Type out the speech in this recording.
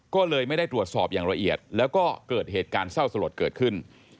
ก็เลยไม่ได้ตรวจสอบอย่างละเอียดแล้วก็เกิดเหตุการณ์เศร้าสลดเกิดขึ้น